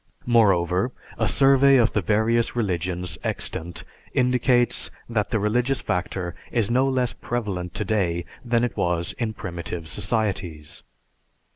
Moreover, a survey of the various religions extant indicates that the religious factor is no less prevalent today than it was in primitive societies.